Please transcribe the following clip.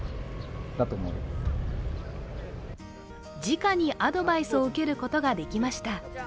じかにアドバイスを受けることができました。